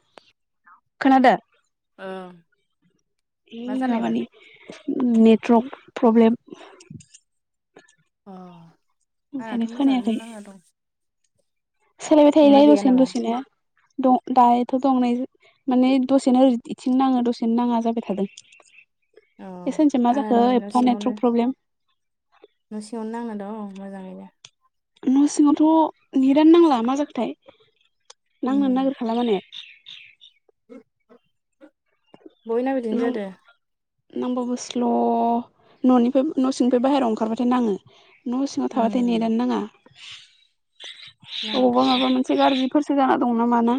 Hello खोनादो। ओ हि मा जानायमोन माबानि उम नेट ट्रप प्रब्लेम अ' ओंखायनो आंनाथ' खोनायाखै मोजाङानो नांना दं। सोलायबाय थायो लै नोंना गैया दसेनो नामा दसेनो। दं दायोथ' दं नै माने दसेनो ओरै इथिनो नाङो दसेनो नाङा जाबाय थादों। अ ए सानैसोआ मा आंना जाखो नै न' एफ्फा सिङावनो नेट्रक प्रब्लेम। न' सिङावनो नांना दं मोजाङैनो। न' सिङावथ' नेट आनो नांला मा जाखोथाय नांनो उम नागिरखाला माने। बयनाबो इदिनो जादो। नांबाबो स्ल' न'निफ्राय न' सिनिफ्राय बाहेरायाव ओंखारबाथाय नाङो। न' सिङाव उम थाबाथाय नेट'आनो नाङा नाङाथ' अबावबा आरो माबा मोनसे गारजि फोरसो जाना दं ना माना।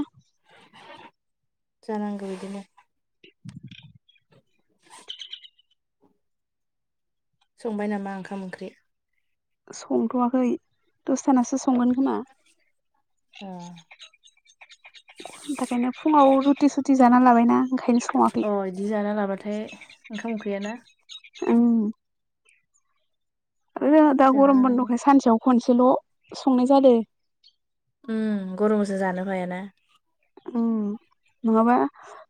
जानांगौ इदिनो। [unintelligible] [inaudible] [unintelligible] [inaudible] संबाय नामा ओंखाम ओंख्रि? संथ'वाखै दसथानासो संगोन खोमा। औ बेखायनो फुङाव रुत सुथि जाना लाबायना। ओंखायनो सङाखै अ बिदि जाना लाबाथाय ओंखाम उखैयाना। औ आरो जोंहा दा जाना गरम लानांगौ बन्दखाय सानसेयाव खनसेल' संनाय जादों। उ गरमजों जानो हायाना। उ नङाबा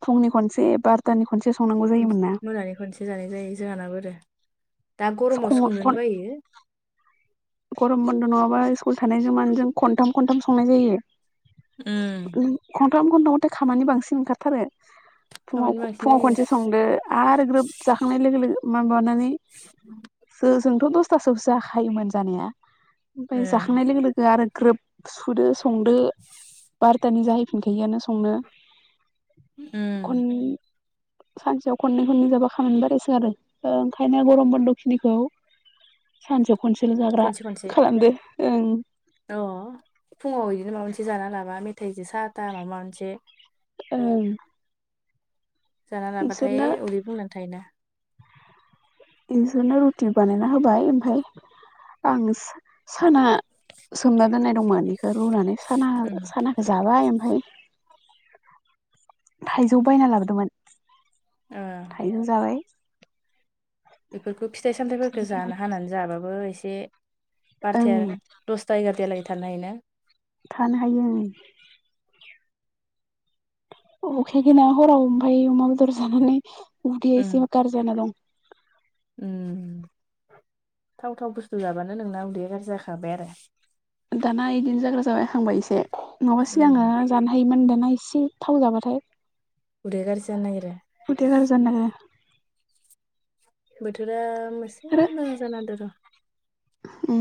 फुंनि खनसे बार'तानि ख मोनानि खनसे जानाय जायो जोंहानाब ब आरो दा गरमाव संनोनो बायो गरम बन्द' नङाबा स्कुल थानाय जमान जों खनथाम खनथाम संनाय जायो उम फनावथे खामानि बांसिन ओंखारथारो फुङाव खामानि बांसिन फुङाव जायो खनसे संदो आरो ग्रोब जाखांनाय लोगो लोगो मा माबानानै ज जोंथ' दसथासोआवसो जाखायोमोन जानाया ओमफाय ए जाखांनाय लोगो लोगो आरो ग्रोब सुदो संदो बारथानि जाहैफिनखायोआनो संनो उम खन सानसेयाव खननै खननै जाबा खामानि बारसो आरो ओंखायनो गरम बन्द' खिनिखौ सानसे खनसेल' जाग्रा खनसे खनसे खालामदो ओं सि जाना लाबा मेथाइजों साहाथा माबा मोनसे औ जाना लाबाथाय उदै बुंनानै थायोना बिसोरनो रुटि बानायना होबाय ओमफाय आं साना सोमना दोननाय दं मानिखौ रुनानै साना उम सानाखौ जाबाय ओमफाय थाइजौ बायना लाबोदोंमोन ओ थाइजौ जाबाय बेफोरखौ फिथाइ सामथाइफोरखौ थाइजौ जानो हानानै जाबाबो एसे बारथाय ओं दसथा एगारथायेहालागै थानो हायो ना थानो हायो ओं उखैयाखै ना हरावम ओमफाय अमा बेदर जानानै उदैया उम एसे गार जाना दं उम थाव थाव बुस्थु जाबानो नोंना उदै गाज्रि जाखाबाय आरो दाना बिदिनो जाग्रा जाबायखांबाय इसे नङाबा उम सिगां जानो हायोमोन होनदों दा एसे थाव जाबाथाय उदैया गाज्रि जानो नागिरो उदै गारजि जानो नागिरो बोथोरा मोसे मोजां जानांदों र' उ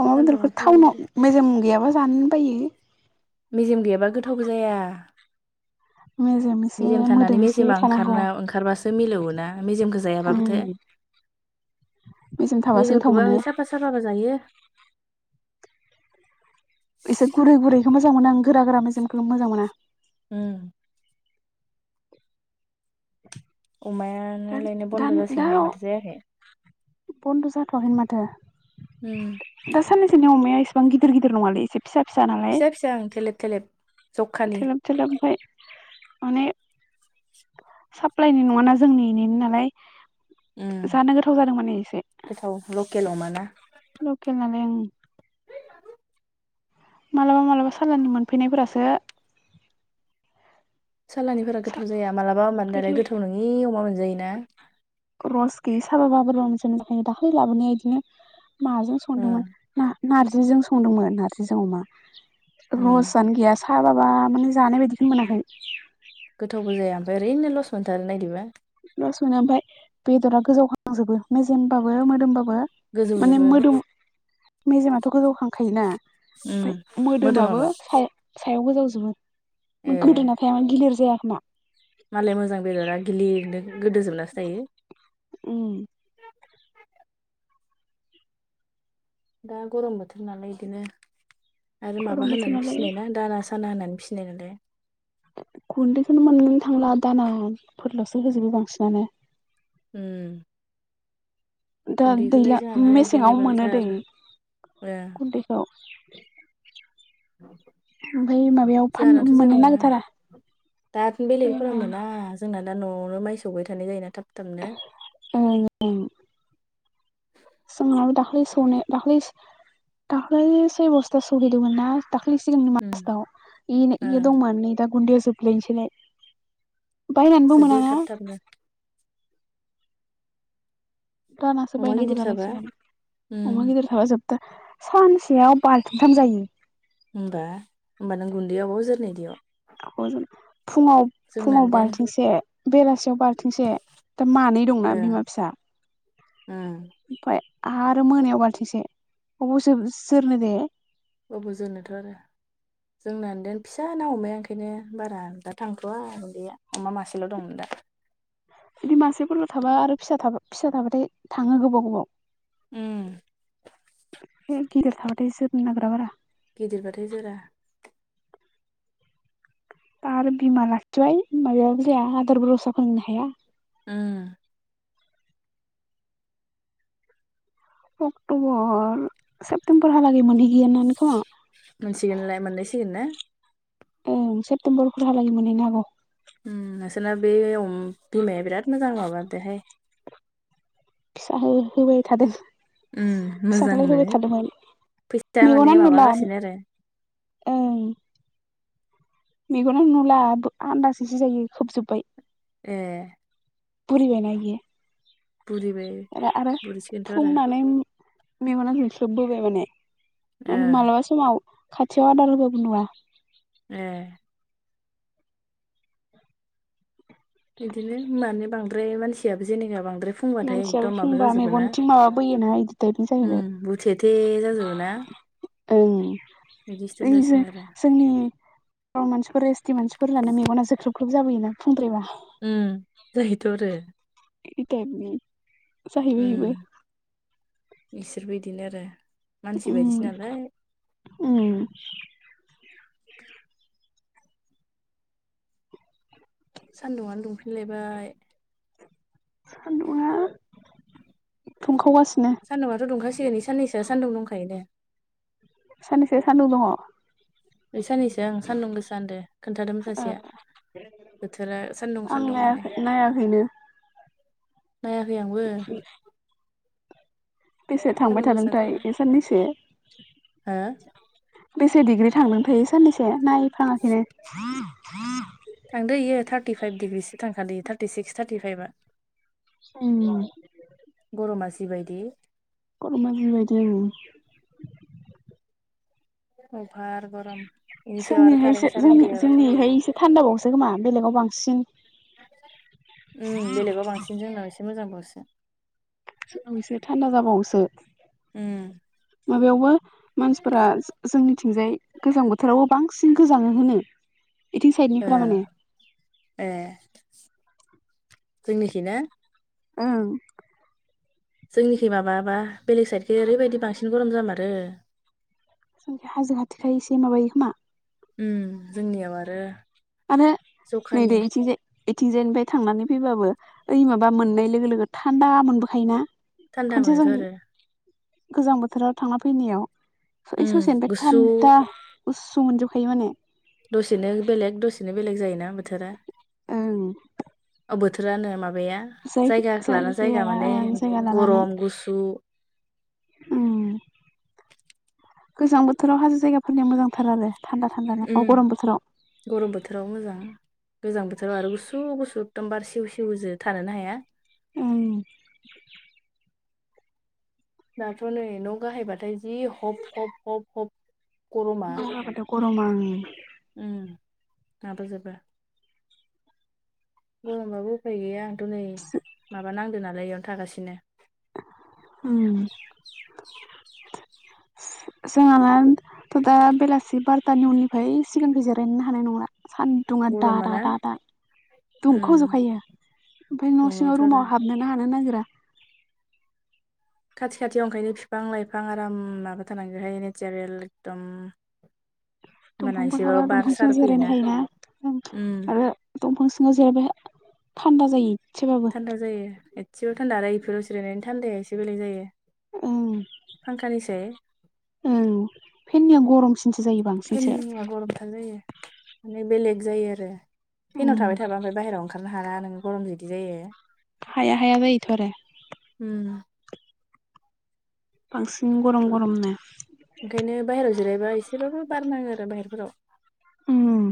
अमा सान्दुङा बेदरखौ खमायना टाउनाव होदो मेजेम गैयाबा जानो बायो मेजेम गैयाबा गोथावबो जाया एसे मेजेम थानानै मोदोम एसे मेजेमा थानांगौ ओंखारना ओंखारबासो मिलौवोना मेजेमखौ जायाबाबोथो उम मेजेम थाबासो गोथाव मेजेमखौबो मोनो आङो साफा साफाबा जायो इसेर गुरै गुरैखौ मोजां मोनो आं गोरा गोरा मेजेमखौ मोजां मोना उम दा अमायानालायनो दा बन्द' दा जासिगोननाया माथो जायाखै बन्द' जाथ'वाखैमोन माथो उम दा साननैसोनि अमाया इसेबां गिदिर गिदिर नङालै एसे फिसा फिसा नालाय फिसा ओं थेलेब थेलेब। जखानि थेलोब थेलोब ओमफ्राय माने साप्लाायनि नङाना जोंनि एनिनो नालाय उम जानो गोथाव जादों माने एसे [unintelligible] लकेल ओं मालाबा मालाबा सालाननि मोनफैनायफोरासो सालानिफोरा गोथाव जाया मालाबा होमबानो दालाय गोथाव नङि अमा मोनजायोना रस गैयि साबाबाबो बोरैबा मोनजायो दाख्लि लाबोनाया बिदिनो माजों ओ संदोंमोन ना नार्जिजों संदोंमोन नार्जिजों अमा उम रसआनो गैया साबाबा माने जानाय बायदिखौनो मोनाखै गोथावबो जाया ओमफ्राय [unintelligible] दसेनो ओमफाय बेदरा गोजावखां जोबो मे जेमबाबो मोदोमबाबो माने गोजौजोबो। मोदोम मेजेमाथ' गोजौ खांखायोना उम ओमफ्राय मोदोमाबो ए सा [unintelligible] मालाय मोजां बेदरा गिलिरनो गोदो जोबनासो थायो ओम दा गरम बोथोर नालाय बिदिनो आरो गरम माबा बोथोर होनानै नालाय फिसिनाय ना दाना दाना होनानै फिसिनाय नालाय गुन्दैखौनो मोननोनो थांला दानाफोरल'सो होजोबो बांसिनानो ओम दा दैलां मेसेङाव मोनो दे एभेलेबेलथार ओ गुन्दैखौ ओमफ्राय माबायाव फाननो जोंहानाथ' जेबो मोननो नङा नागिरथारा दा बेलेगफोरा मोना जोंना दा न'आवनो माइ सौबाय थानाय जायोना थाब थाबनो [unintelligible] जोंनाव दाखालि सौनो दाख्लै- दाख्लै सय बस्था सौहैदोंमोन ना दाख्लि सिगांनि उम मासआव इ ओ इयो दंमोन नै दा गुन्दैया जोब्लायनोसैलाय बायनानैबो जोबो मोनाना थाब थाबनो दानासो अमा बायनांगौ गिदिर जाबा जालायसिगोन उम अमा गिदिर थाबा जोब सानसेयाव बालथिंथाम जायो होमबा-होमबानों गुन्दैया बबाव जोरनो बिदियाव फुङाव-फुङाव देन बालथिंसे बेलासि बालथिंसे दा मानै दंना ओ बिमा फिसा उम ओमफ्राय आरो मोनायाव बालथिंसे अबाव जोरनो दे जोंनानोदेन फिसा ना अमाया ओंखायनो बारा दा थांथ'वा गुन्दैया अमा मासेल' दं दा बिदि मासेफोरल' थाबा आरो फिसा- फिसा थाबाथाय थाङो गोबाव गोबाव ओम है गिदिर थाबाथाय जोरनो नागिरा बारा गिदिरबाथाय जोरा [unintelligible] [inaudible] अक्ट'बर सेप्तेम्बर हालागै माोनहैयो मोनसिगोनलाय मोनलायसिगोन ना औ सेप्तेम्बरफोर हालागै मोनहैनो हागौ ओम नोंसोरना बे अमा बिमाया बिराद मोजां माबादोहाय फिसा होबाय थादों उम फिसाखौलाय मोजांनो होबाय थादोंमोन फैसा माने मेगनानो नुला माबागासिनो आरो औ मेगनानो नुला आन्दासैसो जायो खोबजोबबाय एह [unintelligible] बुरिबाय बुरिसिगोनथ' आरो मेगना जोख्लोबबोबाय माने ओ मालाबा समाव खाथियाव अदार होबाबो नुवा। एह। बिदिनो मानो बांद्राय मानसियाबो जेनेबा बां द्राय फुंबाथाय मानसियाबो एकदम माबा फुंबा जाजोबो ना, मेगनथिं माबाबोयोना इदि टाइपनि उम जाहैबाय हुथेथे जाजोबोना। ओं। ओइ जासिगोन आरो जो-जोंनि बर' मानसिफोर एस टि मानसिफोर होननानै मेगना जोख्रोब ख्रब जाबोयोना फुंद्रायबा। उम जायोथ' आरो। इ टाइपनि साहैबाय उम इबो। इसोरबो इदिनो आरो मानसि उम बायदिसो नालाय। उम सान्दुङानो दुंफिनलायबाय। सान्दुङा दुंखावगासिनो। एनै साननैसोआ सानदुं दंखायो दे। साननैसो सान्दुं दङ। ओइ साननैसोया ओं सान्दुं गोसा होनदों। खोन्थादोंमोन सासेया बोथोरा सान्दुं आं सान्दुं माने। नायाखै नायाखैनो नायाखै आंबो। बेसे थांबाय सान्दुं थादोंथाय गोसाथारना ए साननैसो? हो बेसे डिग्रि थांदों थाय ए साननैसो नायफ्राङाखैनो। थांदो इयो थार्टिफाइभ डिग्रिसो थांखादो इयो थार्टि सिक्स थार्टिफाइभआ। उम। बिबायदि। गरमा जिबायदि उम। औ। जोंनि हाय जो सारेन्ट गैयाबाथ' जों-जोंनिहाय एसे थान्दाबावसो खोमा बेलेगाव बांसिन। [inaudible] उम बेलेगाव बांसिन जोंनाव एसे मोजां बावसो। सो ओं सो थान्दा जाबावोसो। उम माबायावबो मानसिफोरा जो-जोंनिथिंजाय गोजां बोथोरावबो बांसिन गोजाङो होनो? बिथिं साइडनिफ्रा एह माने एह। जोंनिखि ना? ओं। जोंनिखै माबाबा बेलेग साइडखै ओरैबायदि बांसिन गरम जामारो। जोंखै हाजो खाथिखाय एसे माबायो खोमा। उम जोंनियाव आरो आरो नै दै जखानि इथिंजाय इथिंजायनिफाय थांनानै फैबाबो ओइ माबा मोननाय लोगो लोगो थान्दा मोनबोखायोना? थान्दा खनसे जों मोनोथ' आरो गोजां बोथोराव थांना फैनायाव स ओइ उम ससेनिफाय गुसु थान्दा गुस्सु मोनजोबखायो माने। दसेनो बेलेग दसेनो बेलेग जायोना बोथोरा? ओं अ बोथो रानो माबाया जाय जायगाखो लाना जायगा जायगाया माने जायगा गरम गुसु उम। गोजां बोथोराव हाजो जायगाफोरनिया मोजांथार आरो। थान्दा थान्दानो उम अ गरम बोथोराव गरम बोथोराव मोजां। गोजां बोथोराव आरो गुसु गुसु। एखदम बार सेव सिवजो थानोनो हाया। उम। दाथ' नै न' गाहायबाथाय जि हब हब हब हब गरमा। अरमा उम। उम दाबो जोबा। गरमबाबो उफाय गैया आंथ' नै माबा नांदोंनालाय एयावनो थागासिनो। उम जोंहानथ' दा बेलासि बार'थानि उननिफ्राय सिगांखौ जिरायनो हानाय नंला। सान्दुङआ दादा गरमाना दादा। उम दुंख'जखायो ओमफफ्राय न' सिङाव दुङावथ' आरो रुमाव हाबनोनो हानो नागिरा। खाथि खाथियाव ओंखायनो बिफां लाइफां आराम माबा थानांगौहाय नेचारेल एकदम। होमबाना दंफांफोर एसेबाबो हाबला बार दंफां सार जिरायनो फैयोना हायोना आरो दंफां सिङाव जेरैबाय थान्दा जायो। एसेबाबो थान्दा जायो एसेबबो थान्दा र इफोराव सिरायनायनि थान्दाया एसे बेलेग जायो। फांखानिसाय उम फेननिया गरम फनिया गरमथार जायो माने बेलेग जायो आरो। उम फेनाव थाबाय थाबा ओमफ्राय बाहेरायाव ओंखारनो हाया नोङो गरम जों बिदि जायो हाया हाया जायोथ आरो उम बांसिन गरम गरमनो ओंखायनो बाहेरायाव जिरायबा एसेबाबो बारनाङो आरो बाहेरफोराव उम